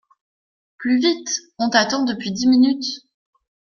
Plus vite! On t’attend depuis dix minutes !